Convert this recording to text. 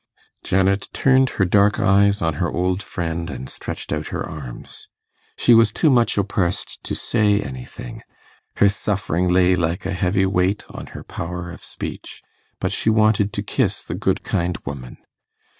Janet turned her dark eyes on her old friend and stretched out her arms. She was too much oppressed to say anything; her suffering lay like a heavy weight on her power of speech; but she wanted to kiss the good kind woman.